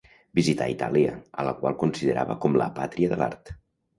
Visità Itàlia a la qual considerava com la pàtria de l'art.